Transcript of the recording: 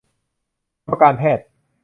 กรมการแพทย์